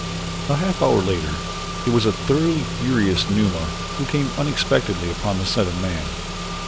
A half hour later it was a thoroughly furious Numa who came unexpectedly upon the scent of man.